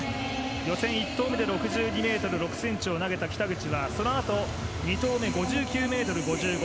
予選、１投目で６２ｍ６ｃｍを投げた北口はそのあと２投目５９ｍ５５。